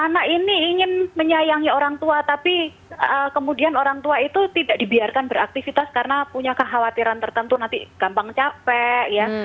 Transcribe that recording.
anak ini ingin menyayangi orang tua tapi kemudian orang tua itu tidak dibiarkan beraktivitas karena punya kekhawatiran tertentu nanti gampang capek ya